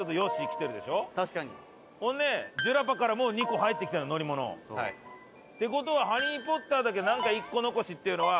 ほんでジュラパからも２個入ってきてるの乗り物。って事はハリー・ポッターだけなんか１個残しっていうのは。